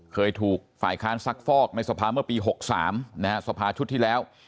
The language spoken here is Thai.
เคยถูกฝ่ายค้านซักฟอกในสภาเมื่อปี๖๓สภาชุดที่แล้ว